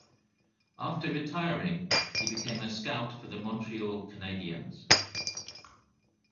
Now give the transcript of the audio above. After retiring, he became a scout for the Montreal Canadiens.